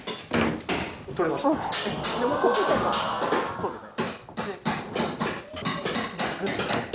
そうですね。